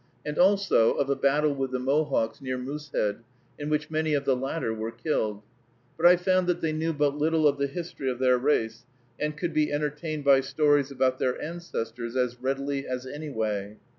and also of a battle with the Mohawks near Moosehead, in which many of the latter were killed; but I found that they knew but little of the history of their race, and could be entertained by stories about their ancestors as readily as any way.